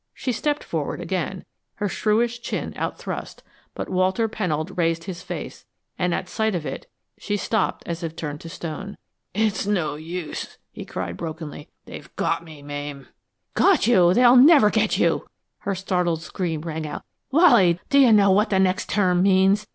She stepped forward again, her shrewish chin out thrust, but Walter Pennold raised his face, and at sight of it she stopped as if turned to stone. "It's no use!" he cried, brokenly. "They've got me, Mame!" "Got you? They'll never get you!" her startled scream rang out. "Wally, d'you know what the next term means?